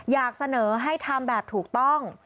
อยากเสนอให้ทำแบบถูกต้อง